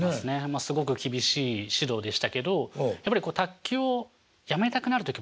まあすごく厳しい指導でしたけどやっぱり卓球をやめたくなる時もあるんですよね。